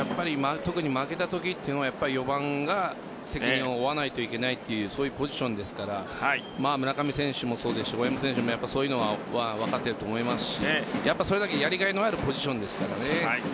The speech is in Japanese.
特に負けたときというのは４番が責任を負わないといけないというそういうポジションですから村上選手もそうですし大山選手もそういうのは分かっていると思いますしそれだけやりがいのあるポジションですからね。